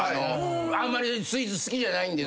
あんまりスイーツ好きじゃないんで。